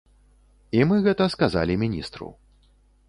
І мы гэта сказалі міністру.